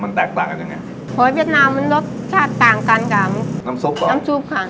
มันแตกต่างกันยังไงเพราะว่าเวียดนามมันรสชาติต่างกันกับน้ำซุปค่ะ